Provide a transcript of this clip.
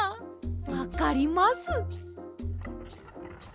わかります！